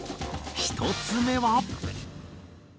１つ目は。